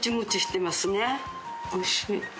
おいしい。